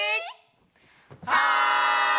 はい！